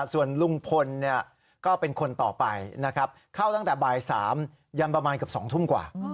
ส่วนลุงพลก็เป็นคนต่อไปนะครับเข้าตั้งแต่บ่าย๓ยันประมาณเกือบ๒ทุ่มกว่า